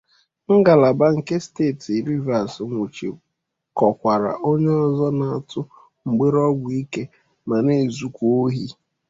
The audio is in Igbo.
ngalaba nke steeti Rivers nwụchìkọkwàrà onye ọzọ na-atụ mgbere ọgwụ ike ma na-ezukwa ohi